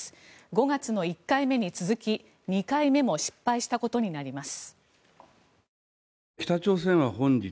５月の１回目に続き、２回目も失敗したことになります。